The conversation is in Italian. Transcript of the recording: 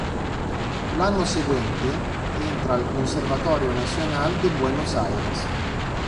L'anno seguente entra al Conservatorio Nacional de Buenos Aires.